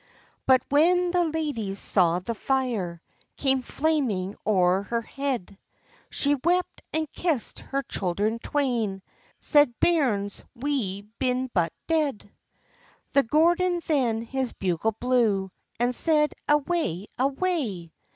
[But when the ladye saw the fire Come flaming o'er her head, She wept, and kissed her children twain; Said—"Bairns, we been but dead." The Gordon then his bugle blew, And said—"Away, away!